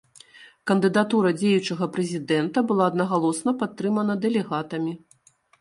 Кандыдатура дзеючага прэзідэнта была аднагалосна падтрымана дэлегатамі.